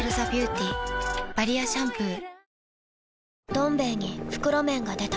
「どん兵衛」に袋麺が出た